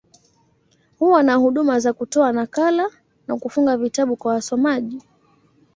Huwa na huduma za kutoa nakala, na kufunga vitabu kwa wasomaji.